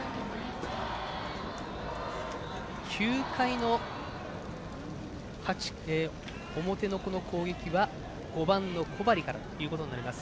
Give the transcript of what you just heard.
９回の表の攻撃は５番の小針からになります。